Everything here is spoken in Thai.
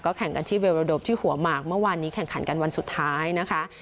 แข่งกันที่เวลระดมที่หัวหมากเมื่อวานนี้แข่งขันกันวันสุดท้ายนะคะ